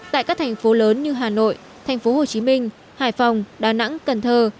tại các thành phố lớn như hà nội thành phố hồ chí minh hải phòng đà nẵng cần thơ